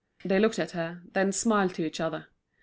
They looked at her, then smiled to each other.